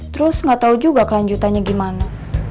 terus gak tau juga kelanjutannya gimana